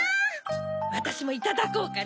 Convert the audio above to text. わたしもいただこうかね。